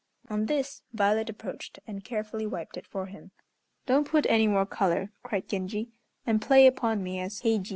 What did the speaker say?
On this Violet approached and carefully wiped it for him. "Don't put any more color," cried Genji, "and play upon me as Heijiû."